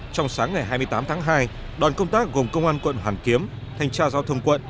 trong sáng ngày hai mươi tám tháng hai đoàn công tác gồm công an quận hoàn kiếm thanh tra giao thông quận